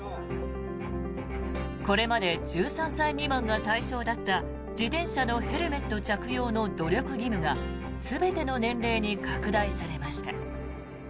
これまで１３歳未満が対象だった自転車のヘルメット着用の努力義務が全ての年齢に拡大されました。